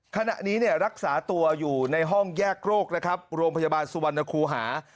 ขณะนี้รักษาตัวอยู่ในห้องแยกโรคนะครับโรงพยาบาลสุวรรณคูหา